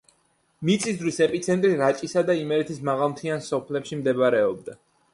მიწისძვრის ეპიცენტრი რაჭისა და იმერეთის მაღალმთიან სოფლებში მდებარეობდა.